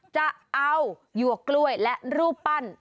จะเอาหยวกกล้วยและรูปปั้น